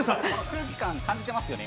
空気感感じてますよね？